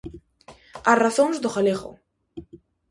As razóns do galego.